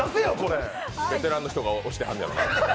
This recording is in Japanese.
ベテランの人が押してはるんやろな。